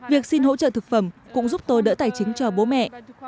việc xin hỗ trợ thực phẩm cũng giúp tôi đỡ tài chính cho bố mẹ